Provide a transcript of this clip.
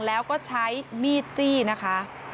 แล้วก็ใช้มีดจี้นะคะ